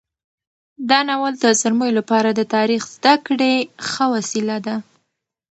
دا ناول د زلمیو لپاره د تاریخ زده کړې ښه وسیله ده.